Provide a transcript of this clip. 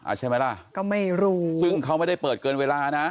ใช่ไหมล่ะก็ไม่รู้ซึ่งเขาไม่ได้เปิดเกินเวลานะ